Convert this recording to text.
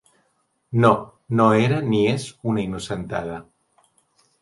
No, no era ni és una innocentada.